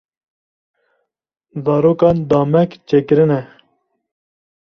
Zarokan damek çêkirine.